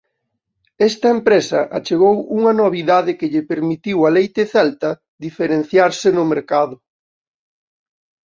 Esta empresa achegou unha novidade que lle permitiu a Leite Celta diferenciarse no mercado.